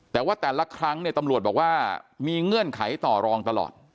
แต่ว่าแต่ละครั้งเนี่ยตำรวจบอกว่ามีเงื่อนไขต่อรองตลอด